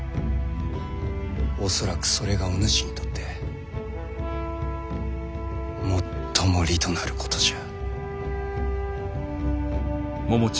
恐らくそれがお主にとって最も利となることじゃ。